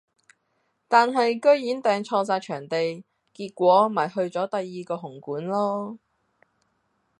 但系居然訂錯曬場地，結果咪去咗第二個紅館囉